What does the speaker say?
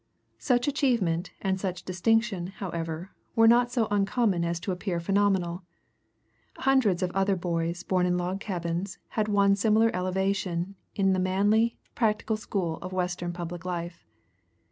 Such achievement and such distinction, however, were not so uncommon as to appear phenomenal. Hundreds of other boys born in log cabins had won similar elevation in the manly, practical school of Western public life.